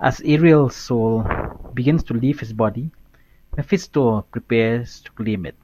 As Ariel's soul begins to leave his body, Mephisto prepares to claim it.